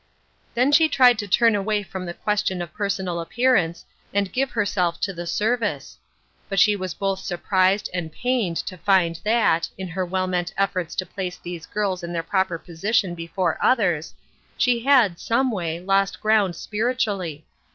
Then she tried to turn away from the ques tion of personal appearance, and give herself to 360 Ruth Erskiiie's Crosses, tiie service ; but she was both surprised and pa'^ed to find that, in her well meant efforts to pla^^ these girls in their proper position before others, she had, someway, lost ground spiritually.